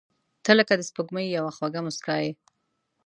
• ته لکه د سپوږمۍ یوه خواږه موسکا یې.